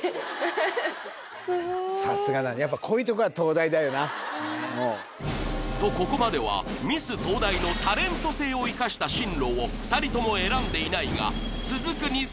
さすがだやっぱとここまではミス東大のタレント性を生かした進路を２人とも選んでいないが続く